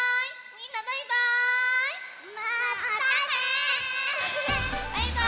みんなバイバーイ！